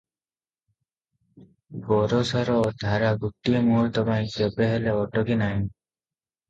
ବରଷାର ଧାରା ଗୋଟିଏ ମୁହୂର୍ତ୍ତପାଇଁ କେବେ ହେଲେ ଅଟକି ନାହିଁ ।